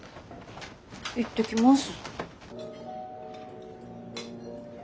行ってきます。